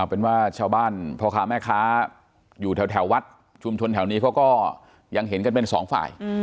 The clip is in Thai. เป็นว่าชาวบ้านพ่อค้าแม่ค้าอยู่แถววัดชุมชนแถวนี้เขาก็ยังเห็นกันเป็นสองฝ่าย